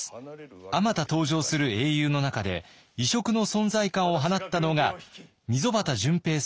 あまた登場する英雄の中で異色の存在感を放ったのが溝端淳平さん演じる